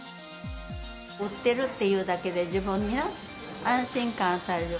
打ってるっていうだけで、自分に安心感与える。